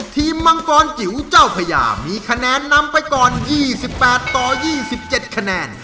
มังกรจิ๋วเจ้าพญามีคะแนนนำไปก่อน๒๘ต่อ๒๗คะแนน